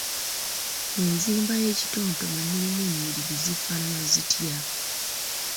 Mu nzimba y’ekitontome mulimu ennyiriri zifaanana zitya?